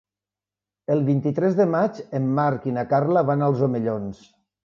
El vint-i-tres de maig en Marc i na Carla van als Omellons.